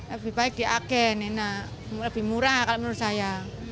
lebih baik di agen enak lebih murah kalau menurut saya